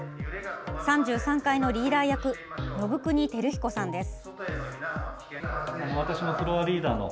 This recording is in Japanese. ３３階のリーダー役信國輝彦さんです。